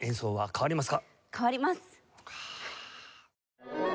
変わります！